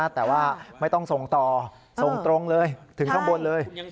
แต่ว่าไม่ต้องส่งต่อส่งตรงเลยถึงข้างบนเลย